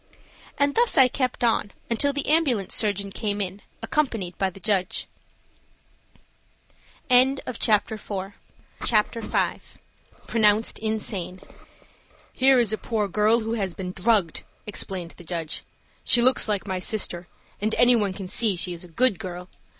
and thus I kept on until the ambulance surgeon came in, accompanied by the judge. CHAPTER V. PRONOUNCED INSANE. "HERE is a poor girl who has been drugged," explained the judge. "She looks like my sister, and any one can see she is a good girl.